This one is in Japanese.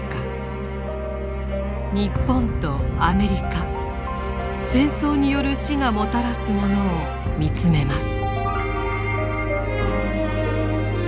日本とアメリカ「戦争による死」がもたらすものを見つめます。